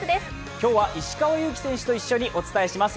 今日は石川祐希選手と一緒にお伝えします。